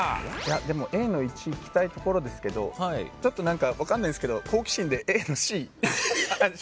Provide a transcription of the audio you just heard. でもＡの１いきたいところですけどちょっと何か分かんないですけど好奇心で。